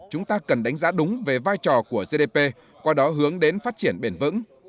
chúng ta cần đánh giá đúng về vai trò của gdp qua đó hướng đến phát triển bền vững